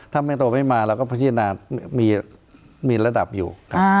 ถ้าไม่โตไม่มาเราก็พิจารณามีระดับอยู่